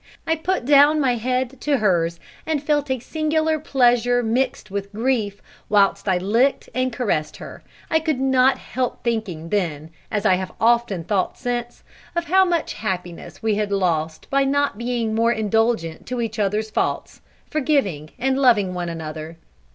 I put down my head to hers and felt a singular pleasure mixed with grief whilst I licked and caressed her, I could not help thinking then, as I have often thought since, of how much happiness we had lost by not being more indulgent to each other's faults, forgiving and loving one another.